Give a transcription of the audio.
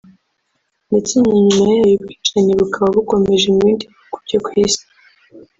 ndetse na nyuma yayo ubwicanyi bukaba bukomeje mu bindi bihugu byo ku isi